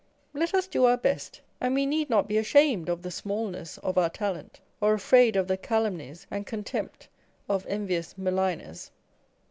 Let us do our best, and we need not be ashamed Q 2 328 On Egotism, of the smalluess of our talent, or afraid of the calumnies and contempt of envious maligners.